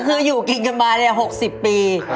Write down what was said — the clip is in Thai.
ก็คืออยู่กินกันมาเนี่ยหกสิบปี